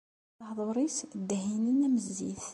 Lehdur-is ddehhinen am zzit.